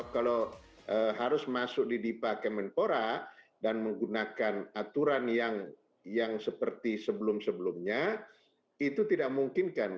kalau harus masuk di dipa kemenpora dan menggunakan aturan yang seperti sebelum sebelumnya itu tidak mungkinkan